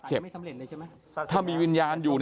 เจ็บถ้ามีวิญญาณอยู่